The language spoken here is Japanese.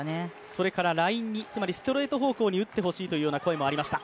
それからラインに、つまりストレート方向に打ってほしいということもありました。